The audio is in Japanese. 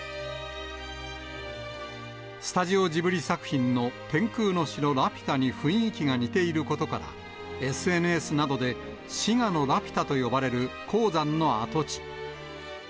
スタジオジブリ作品の、天空の城ラピュタに雰囲気が似ていることから、ＳＮＳなどで、滋賀のラピュタと呼ばれる鉱山の跡地。